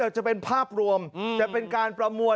จะเป็นภาพรวมจะเป็นการประมวล